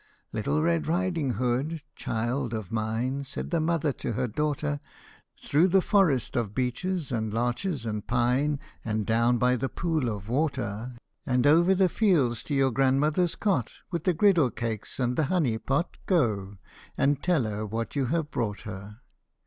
J " Little Red Riding Hood, child of mine," Said the mother to her daughter, " Through the forest of beeches, and larches, and pine. And down by the pool of water, And over the fields to your grandmother's cot With the griddle cake and the honey pot, Go, and tell her what you have brought her.